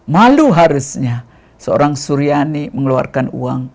malu harusnya seorang suryani mengeluarkan uang